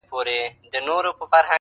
پاس توتكۍ راپسي مه ږغـوه,